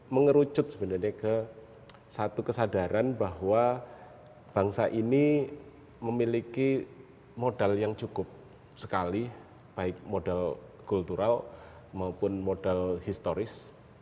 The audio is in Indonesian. mengerucut sebenarnya ke satu kesadaran bahwa bangsa ini memiliki modal yang cukup sekali baik modal kultural maupun modal historis